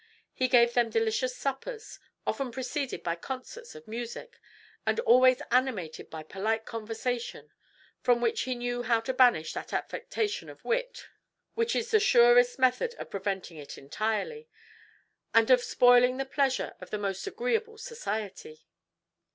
He gave them delicious suppers, often preceded by concerts of music, and always animated by polite conversation, from which he knew how to banish that affectation of wit which is the surest method of preventing it entirely, and of spoiling the pleasure of the most agreeable society.